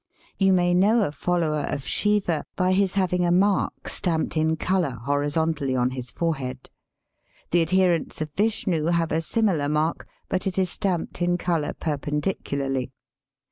You may know a follower of Shiva by his having a mark stamped in colour horizontally on his forehead. The adherents of Vishnu have a similar mark, but it is stamped in colour perpendicularly.